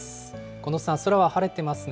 近藤さん、空は晴れてますね。